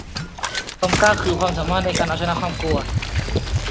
ความกล้าคือความสามารถในการเอาชนะความกลัว